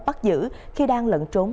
bắt giữ khi đang lẩn trốn